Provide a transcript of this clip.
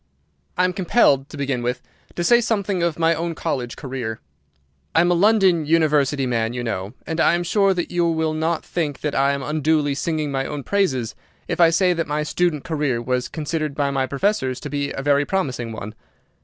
"I am compelled, to begin with, to say something of my own college career. I am a London University man, you know, and I am sure that you will not think that I am unduly singing my own praises if I say that my student career was considered by my professors to be a very promising one.